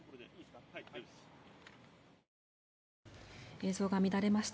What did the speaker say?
映像が乱れました。